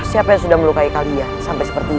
siapa yang sudah melukai kalian sampai seperti ini